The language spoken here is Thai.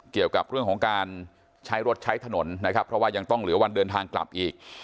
เกี่ยวกับเรื่องของการใช้รถใช้ถนนนะครับเพราะว่ายังต้องเหลือวันเดินทางกลับอีก